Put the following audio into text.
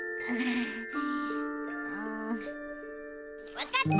わかった！